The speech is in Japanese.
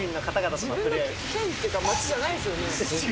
自分の県っていうか、街じゃないですよね。